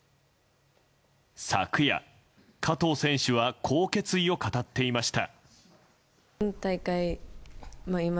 昨夜、加藤選手はこう決意を語っていました。